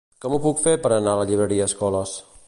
Com ho puc fer per anar a la llibreria Escoles?